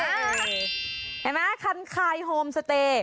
ได้มั้ยคันคายโฮมสเตย